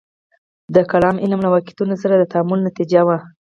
د کلام علم له واقعیتونو سره د تعامل نتیجه وه.